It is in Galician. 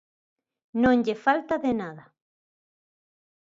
Non lle falta de nada.